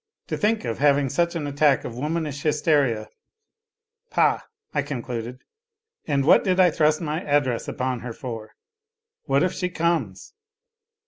" To think of having such an attack of womanish hysteria, pah !" I concluded. And what did I thrust my address upon her for ? What if she comes